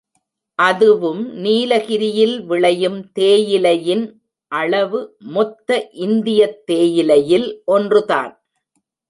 அதுவும் நீலகிரியில் விளையும் தேயிலையின் அளவு மொத்த இந்தியத் தேயிலையில் ஒன்று தான்.